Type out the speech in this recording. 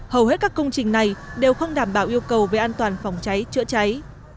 hầu hết các công trình này đều không đảm bảo yêu cầu về an toàn phòng cháy chữa cháy